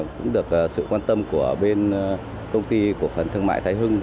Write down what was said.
cũng được sự quan tâm của bên công ty của phần thương mại thái hương